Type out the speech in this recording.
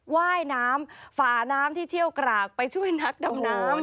ว่ายน้ำฝาน้ำที่เชี่ยวกรากไปช่วยนักดำน้ำ